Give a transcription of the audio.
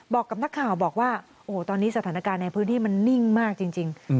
บอกกับนักข่าวบอกว่าโอ้โหตอนนี้สถานการณ์ในพื้นที่มันนิ่งมากจริง